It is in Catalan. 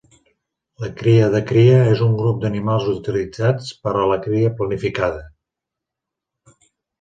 La cria de cria és un grup d'animals utilitzats per a la cria planificada.